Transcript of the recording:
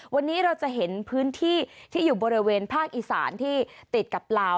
วันนี้เราจะเห็นพื้นที่ที่อยู่บริเวณภาคอีสานที่ติดกับลาว